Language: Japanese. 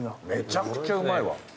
めちゃくちゃうまいわ。